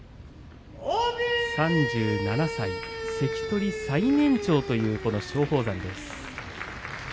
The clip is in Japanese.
３７歳、関取最年長という松鳳山です。